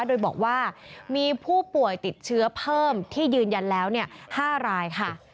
โดยบอกว่ามีผู้ป่วยติดเชื้อเพิ่มที่ยืนยันแล้ว๕รายค่ะ